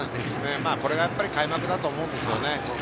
これがやっぱり開幕だと思うんですね。